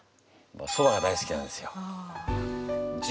そばが大好きなんですよ。